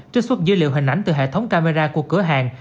trích xuất dữ liệu hình ảnh từ hệ thống camera của cửa hàng